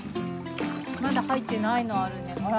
まだはいってないのあるねほら。